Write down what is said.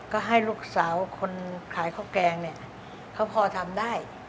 ก็ให้ลูกสาวคนขายข้าวแกงเนี่ยเขาพอทำได้